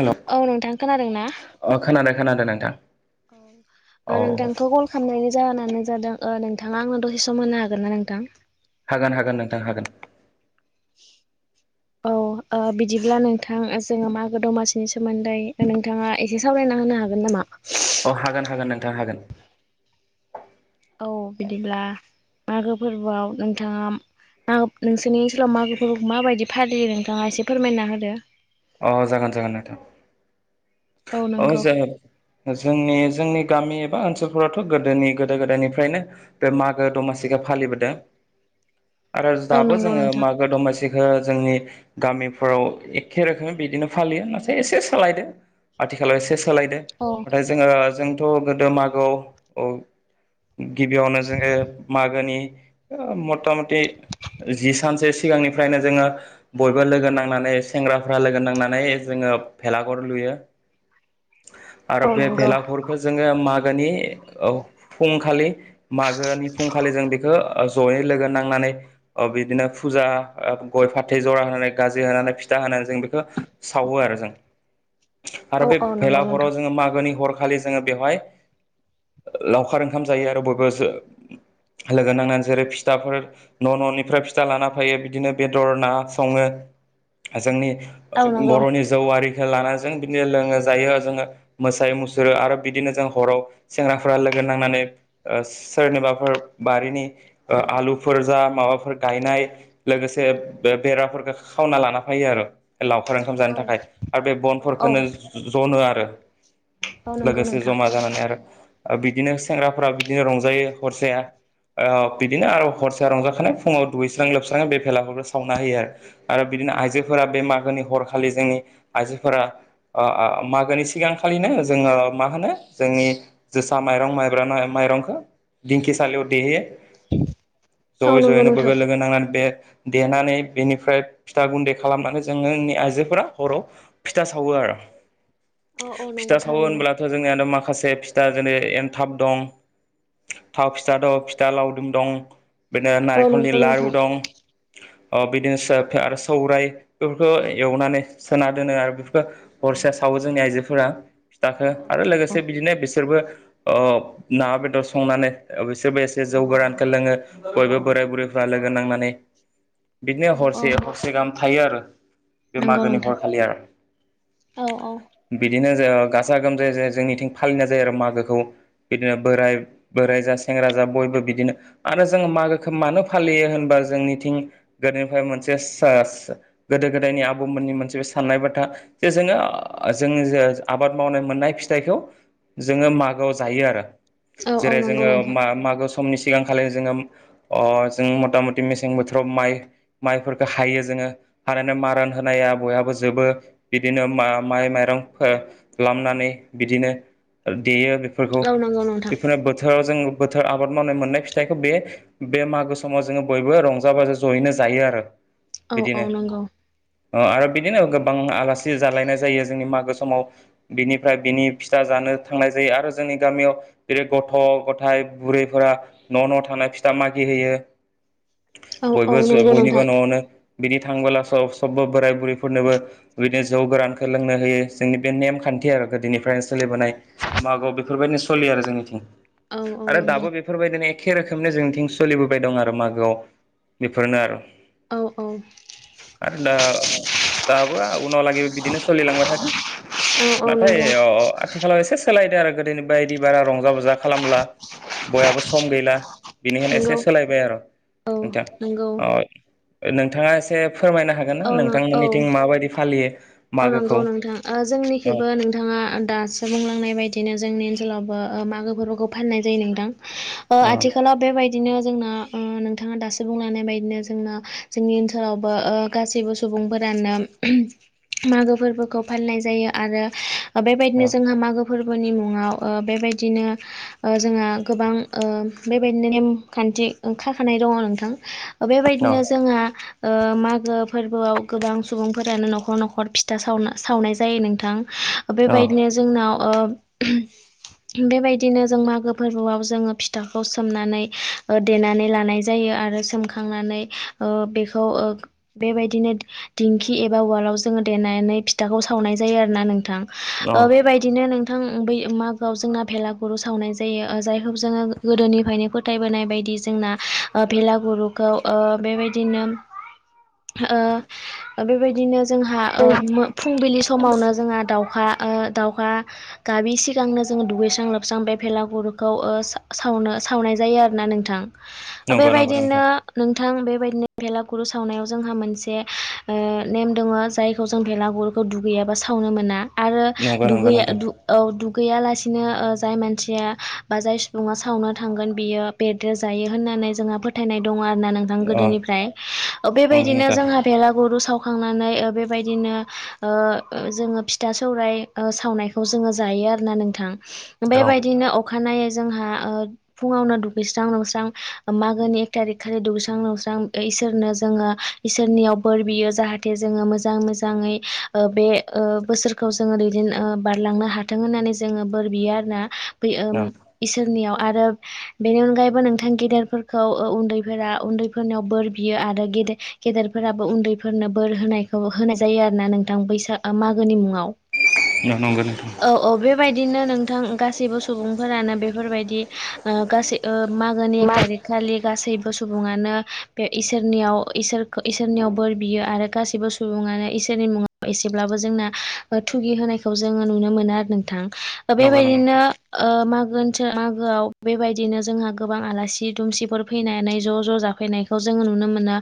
हेल' औ नोंथां खोनादों ना? अ खोनादों खोनादों नों ओ नोंथांखौ कल खालामनायनि जाहोनानो जादों ओ नोंथाङा आंनो दसे सम होनो हागोन ना नोंथां? हागोन हागोन नोंथां हागोन। [inaudible] औ ओ बिदिब्ला नोंथां जोङो मागो दमासिनि सोमोन्दै नोंथाङा एसे सावराय ना होनो हागोन नामा? अ हागोन हागोन नोंथां हागोन। औ बिदिब्ला मागो फोरबोआव नोंथाङा आ नोंसोरनि ओनसोलाव मागो फोरबोखौ माबायदि फालियो नोंथाङा एसे फोरमायना होदो। अ जागोन जागोन नोंथां औ अ नंगौ जो-जोंनि जोंनि गामि एबा ओनसोलफोरावथ' गोदोनि गोदो गोदायनिफ्रायनो बे मागो दमासिखो फालिबोदों। [inaudible] आरो औ दाबो नंगौ जोङो नोंथां मागो दमासिखो जोंनि गामिफोराव एखे रोखोमै बिदिनो फालियो नाथाय एसे सालायदों आथिखालाव एसे सोलायदों औ नाथाय जोङो जोंथ' गोदो मागोआव औ गिबियावनो जोङो मागोनि मता मति जि सानसो सिगांनिफ्रायनो जोङो बयबो लोगो नांनानै सेंग्राफ्रा लोगो नांनानै जोङो ओ भेलागुर लुयो। आरो औ बे नंगौ भेलागुरखौ जोङो मागोनि ओ फुंखालि माग गोनि फुंखालि जों बेखो ओ जयै लोगो नांनानै अ बिदिनो फुजा गय फाथै जरा होनानै गाजि होनानै फिथा होनानै जों बेखौ सावो आरो जों। औ आरो बे औ नंगौ भेलाघराव नोंथां जोङो मागोनि हरखालि जोङो बेवहाय लावखार ओंखाम जायो आरो बयबो जो लोगो नांनानै जेरै फिथाफोर न' न'निफ्राय फिथा लाना फायो बिदिनो बेदर ना सङो। जोंनि औ नंगौ बर'नि जौ आरिखौ लाना जों बिदिनो लोङो जायो जोङो मोसायो मुसुरो आरो बिदिनो जों हराव सेंग्राफोरा लोगो नांनानै सोरनिबाफोर बारिनि ओ आलुफोर जा माबाफोर गायनाय लोगो से बेराफोरखौ खावना लाना फायो आरो। लावखार ओंखाम औ जानो थाखाय आरो बे औ औ बनफोरखोनो जनो आरो। औ नंगौ लोगोसे नोंथां जमा जानानै आरो बिदिनो सेंग्राफ्रा बिदिनो रंजायो हरसेया। ओ बिदिनो आरो हरसेया रंजाखानाय फुङाव दुगैस्रां लोबस्रां बे भेलागुरखौ सावना होयो आरो। आरो बिदिनो औ औ आइजोफोरा बे मागोनि हरखालि जोंनि आइजोफोरा ओ ओ मागोनि सिगांखालिनो जोङो मा होनो जोंनि जोसा माइरं माइब्रा मारंखौ दिंखिसालियाव देहैयो औ जयै नंगौ जयैनो नोंथां बयबो लोगो नांनानै बे देनानै बेनिफ्राय फिथा गुन्दै खालामनानै जोङोनि आइजोफोरा हराव फिथा सावो आरो। औ औ नंगौ फिथा सावो थारैनो होनोब्लाथ' जोंनियानो मा खासे फिथा जेरै एनथाब दं। थाव फिथा दं फिथा लावदुम दं। बिदिनो औ नारेंखलनि नंगौ लारु नोंथां दं। अ बिदिनो आरो सौराइ बेफोरखौ एवनानै सोना दोनो आरो बेफोरखो हरसे सावो जोंनि आइजोफोरा औ फिथाखो औ आरो नंगौ लोगोसे बिदिनो बिसोरबो ओ ना बेदर संनानै बिसोरबो एसे जौगोरानखौ लोङो बयबो बोराय बुरैफ्रा लोगो नांनानै [inaudible] बिदिनो हरसे हरसे गाहाम थायो आरो बे मागोनि नोंथां हरखालि आरो औ औ बिदिनो जो गाजा गोमजायै जोंनिथिं फालिनाय जायो आरो मागोखौ बिदिनो बोराय बोराइ जा सेंग्रा जा बयबो बिदिनो आरो जोंङो मागोखौ मानो फालियो होनबा जोंनिथिं गोदोनिफ्राय मोनसे गोदो गोदायनि आबौमोननि मोनसे साननाय बाथा जे जोङो जों आबाद मावनाय मोननाय फिथाइखौ जोङो मागोआव जायो आरो औ जेरै नंगौ जोङो नोंथां मागो समनि सिगांखालि जोङो जों मथा मथि मेसें बोथोराव माइ माइफोरखौ हायो जों ह मारान होनाया बयहाबो जोबो बिदिनो म माइ माइरं खालामनानै बिदिनो देयो बेफोरखौ औ नंगौ नोंथां बेफोरनो बोथोराव जों बोथोर आबाद मावनाय मोननाय फिथाइखौ बे बे मागो समाव जोङो बयबो रंजा बाजा जयैनो जायो आरो औ औ बिदिनो नंगौ आरो बिदिनो गोबां आलासि फसि जालायनाय जायो जोंनि मागो समाव बिनिफ्राय बिनि फिथा जानो थांनाय जायो आरो जोंनि गामियाव बिै गथ' गथाय बुरैफोरा न' न' थां फिथा मागि होयो [inaudible] औ बयबो नंगौ बयनिबो नोंथां न'आवनो बिदि थांबोलासो सबबो बोराय बुरैफोरनोबो बिदिनो जौ गोरानखौ लोंनो होयो जोंनि बे नेम खान्थि आरो गोदोनिफ्रायनो सोलिबोनाय मागो बेफोरबायदि जोंनि औ औ आरो नंगौ दाबो बेफोरबायदिनो एखे रोखोमनि जोंनिथिं सोलिबोबाय दं आरो मागोआव बेफोरनो आरो औ औ आरो दा दाब उनहालागैबो बिदिनो सोलिलांबाय थागोन औ नाथाय नंगौ आथिखालाव एसे सोलायदो आरो गो जेनेबा बायदि बारा रंजा बाजा खालामला बयहाबो सम गैला बेनिखायनो एसे नंगौ सोलायबाय आरो औ आथ नंगौ औ नोंथाङा एसे फोरमायनो हागोन ना औ नोंथांमोननिथिं माबायदि फालियो औ नंगौ मागोखौ नोंथां औ जोंनिखौबो नोंथाङा दासो बुंलांनाय बायदिनो जोंनि ओनसोलावबो मागो फोरबोखौ फालिनाय जायो नोंथां औ आथिखालाव बेबायदि बिदिनो जोंना नोंथाङा दासो बुंलांनाय बायदिनो जोंना जोंनि ओनसोलावबो गाससिबो सुबुं सुबुंफोरानो मागो फोरबोखौ फालिनाय जायो आरो बेबायदिनो औ जोंहा मागो फोरबोनि मुङाव बेबायदिनो जोंहा गोबां बेबायदिनो नेमखान्थि बिदि ओंखारखानाय दङ नोंथां बेबायदिनो जोंहा मागो फोरबोआव गोबां सुबुंफोरानो न'खर न'खर खर फिथा सावना सावनाय जायो नोंथां औ बेबायदिनो जोंनाव बेबायदिनो जों मागो फोरबोआव जोङो फिथाखौ सोमनानै देनानै लानाय जायो आरो सखनानै बेबायदिनो दिंखि एबालाव जोङो देनानै फिथाखौ सावनाय जायो आरोना नोंथां औ बेबायदिनो नोंथां बै मागोआव जोंना भेलागुरु सावनाय जायो जायखौ जोङो गोदोनिफ्रायनो फो फोथायबोनाय बायदि जोंना भलागुरुखौ बेबायदिनो बेबायदिनो जोंहा फुंबिलि समावनो जोंहा दाउखा दाउहा गाबि सिगांनो जोङो दुगैस्रां लोबस्रां बे भेलागुरुखौ सावनो सावनाय जायो आरोना नोंथां नंगौ नंगौ बेबायदिनो नोंथां नोंथ बेबाय भेलागुरु सावनायाव जों मोनसे ने दोङो जायखौ जों भलागुरखौ दुगैयाबा सावनो मोना आरो नंगौ नंगौ दुै नोंथां औ दुगैया लासे बिदिनो जाय मानसिया बा जाय सुबुङा सावनो थांगोन बियो बेद्रे जायो होननानै जोंहा फोथायनाय दङ आरो ना नोंथां अ गोदोनिफ्राय नंगौ बेबायदिनो नोंथां जोंहा भेलागुरु सावखांनानै बेबायदिनो जोङो फिथा सौर सावनायखौ जोङो जायो आरो नोंथां औ बेबायदिनो अखानायै जोंहा फुङावनो दुगैस्रां लुंस्रां मागोनि एक थारिक खालि दुगैस्रां लुंस्रां इसोरनो जोङो इसोरनियाव बोर बियो जाहाथे जाहाथे जोङो मोजां मोजाङै बे बोसोरखौ जोङो दैदेन बारलांनो हाथों होननानै बोर बियो आरोना औ इसोरनि आरो बेनि अनगायैबो नोंथां गेदेरफोरखौ उनदैफोरा उनदैफोरनियाव बोर बियो आरो गेदेरफोराबो उनदैफोरनो बोर होनायखौ होनाय जायो आरोना नोंथां बैसाग मागोनि मुङाव नंगौ नोंथां औ औ बेबायदिनो नोंथां गासैबो सुबुंफोरानो बेफोरबायदि गासै मा गोनि एक थारिक खालि गासैबो सुबुङानो बे इसोरनियाव इसोरखौ इसोरनियाव बोर बियो आरो गासैबो सुबुङानो इसोरनि मुङाव एसेब्लाबो जोंना थुगि होनायखौ जोङो नुनो मोनो आरो नोंथां नंगौ नंगौ बेबायदिनो नोंथां ओ मागोन मागोआव बेबायदिनो जोंहा गोबां आलासि दुमसिफोर फैनानै ज' ज' जाफैनायखौ जोङो नुनो मोनो।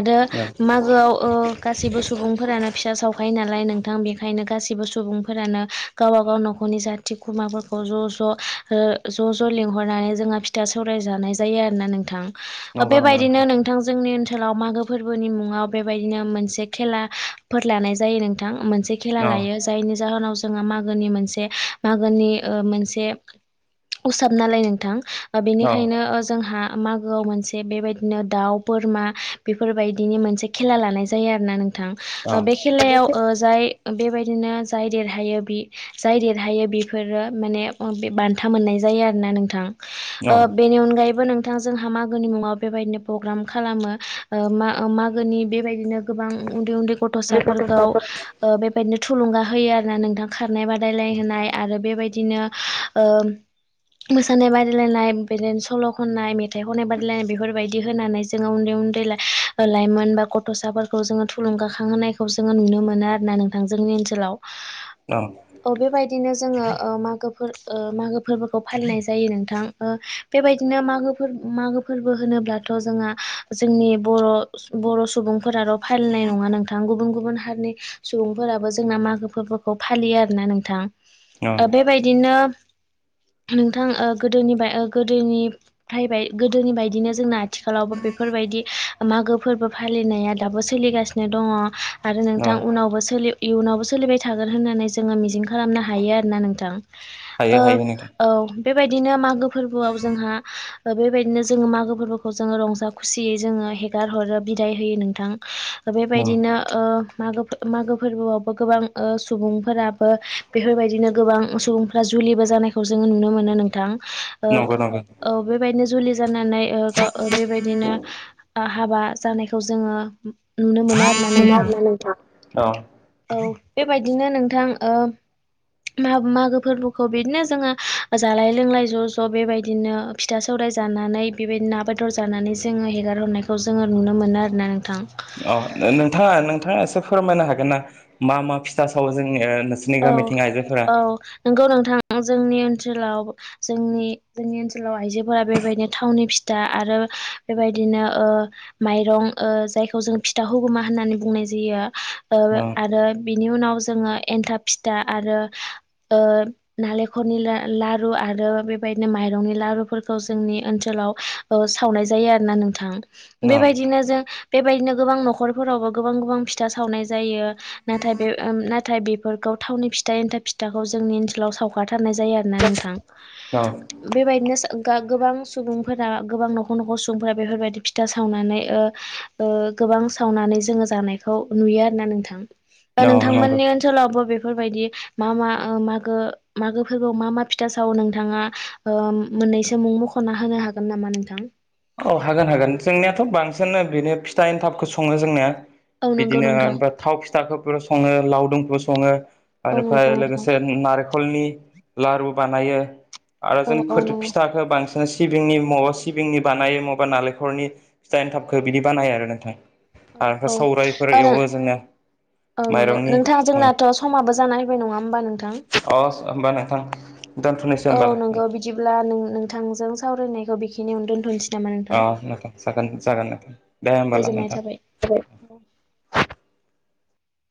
आरो औ मागोआव अ गासिबो सुबुंफोरानो फिसा सावखायो नालाय नोंथां बेखायनो गासिबो सुबुंफोरानो गाव गावबा गाव न'खरनि जाथि खुरुमाफोरखौ ज' ज' ज' ज' लिंहरनानै जोंहा फिथा सौराय जानो नाय जायो आरोना नोंथां नंगौ नंगौ बेबायदिनो नोंथां जोंनि ओनसोलाव मागो फोरबोनि मुङाव बे बेबायदिनो मोनसे खेलाफोर लानाय जायो नोंथां मोनसे खेला औ लायो जायनि जाहोनाव जोंहा मागोनि मोनसे मागोनि मोनसे उसाब नालाय नोंथां औ बेनिखायनो जोंहा मागोआव मोनसे बेबायदिनो दाउ बोरमा बेफोरबायदिनि मोनसे खेला लानाय जायो आरोना औ नोंथां बे खेलायाव जाय बेबायदि बायदिनो जाय देरहायो जाय देरहायो बेफोरो माने बान्था मोननाय जायो आरोना नोंथां औ बेनि अनगायैबो नों थां जोंहा मागोनि मुङाव बेबायदिनो प्रग्राम खालामो ओ मा मागो गोनि बेबायदिनो गोबां उनदै उनदै बे गथ'साफोरखौ गथ'साफोर बेबायदिनो थुलुंगा होयो आरोना नोंथां खारनाय बादायलाय औ होनाय आरो बेबायदि बिदिनो मोसानाय बादायलायनाय बिदिनो सल' खननाय मेथ मेथाइ खनाय बादायनाय बेफोरबायदि होनानै जोङो उनदै उनदै लाइमोन होनबा गथ'साफोरखौ जोङो थुलुंगाखांहोनायखौ जोङो नुनो मोनो आरोना नोंथां जोंनि ओनसोलाव अ बेबायदिनो जोङो मागो मागो फोरबोखौ फालिनाय जायो नोंथां बेबायदिनो मागो फोरबो मागो फोरबो होनोब्लाथ' जोङा जोंनि बर' बर' सुबुंफोराल' फालिनाय नङा नोंथां गुबुन गुबुन नि सुबुंफोराबो जोंना मागो फोरबोखौ फालियो आरोना नोंथां औ बेबायदिनो नोंथां गोदोनि गोदोनिबाय गोदोनि बायदिनो जोंना आथिखालावबो बेफोरबायदि दि मागो फोरबो फालिनाया दाबो सोलिगासिनो दङ आरो औ नोंथां उनावबो सोलि इयुनावबो सोलिबाय थागोन होननानै जो मिजिं खालामनो हायो आरोना नोंथां हायो ओ हायो नोंथां औ बेबायदिनो मागो फोरबोआव जोंहा बेबायदिनो जोङो मागो फोरबोखौ जोङो रंजा खुसियै जोङो हेगार हरो बिदाय होयो नोंथां औ बेबायदिनो ओ मागो मागो फोरबोआवबो गोबां सुबुंफोराबो बेफोरबायदिनो गोबां सुबुंफोरा बो जानायखौ जोङो नुनो मोनो नोंथां नंगौ नंगौ औ बेबायदिनो जुलि जानानै बेबायदिनो हाबा जानायखौ जोङो नुनो मोनो आरो ना नोंथां औ औ बेबायदिनो नोंथां ओ मागो फोरबोखौ बिदिनो जोङो जालाय लोंलाय ज' ज' बेबायदिनो फिथा सौराय जानानै बेबायदि ना बेदर जानानै जोङो हेगारहरनायखौ जोङो नुनो मोनो आरोना नोंथां अ नोंथाङा नोंथाङा एसे फोरमायनो हागोन ना मा मा फिथा सावो जोंनि ओ औ औ नंगौ नोंथां जोंनि ओनसोलाव जोंनि ओनसोलाव आइजोफोरा बेबायदिनो थावनि फिथा आरो बेबायदि बिदिनो ओ माइरं ओ जायखौ जों फिथा होगोमा होननानै बुंनाय जायो औ आरो बिनि उनाव जोङो एन्थाब फिथा आरो ओ नालेंखलनि लारु आरो बेबायदिनो माइरंनि ला रु फोरखौ जोंनि ओनसोलाव ओ सावनाय जायो आरोना नोंथां औ बेबायदिनो जों बेबायदिनो गोबां न'खरफोरावबो गोबां गोबां फिथा सावनाय जायो नाथाय बे नाथाय बे फोरखौ थावनि फिथा एन्थाब फिथाखौ जोंनि ओनसोलाव साव गारनाय जायो आरोना नोंथां औ बेबायदिनो गोबां सुबुंफोरा गोबां न'खर न'खर सुबुंफोरा बेफोरबायदि फिथा सावनानै‌ ओ गोबां सावनानै जोङो जानायखौ नुयो आरोना नोंथां बा औ नंगौ नोंथांमोननि ओनसोलावबो बेफोरबायदि मा मा मागो मागोफोरखौ मा मा फिथा सावो नोंथाङा ओ मोननैसो मुं मखना होनो हागोन नामा नोंथां औ हागोन हागोन जोंनियाथ बांसिननो फिथा एन्थाबखौ सङो जोंनिया औ नंगौ बिदिनो नोंथां ओमफ्राय थाव फिथाखौबो सङो लावदुमफोर सङो औ नंगौ बेनिफ्राय नोंथां लोगोसे नारेंखलनि लारु बानायो आरो औ जों औ नंगौ फिथाखौ बांसिन सिबिंनि मबा सिबिंनि बानायो बा नालेंखरनि फिथाइ एनथाबखौ बिदि बानायो आरो नोंथां आरो औ औ सौरायफोर आरो एवो जोङो औ नंगौ नोंथां जोंनाथ समाबो जाना फैबाय नङा होमबा नोंथां अ होमबा नोंथां दोनथ'नोसै औ होमबाला नंगौ बिदिब्ला नोंथांजों सावरायनायखौ बेखिनियावनो दोनथसै नामा अ नोंथां नोंथां जागोन जागोन नोंथां दे औ होमबाला गोजोननाय थाबाय नोंथां औ [inaudible]